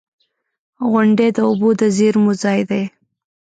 • غونډۍ د اوبو د زیرمو ځای دی.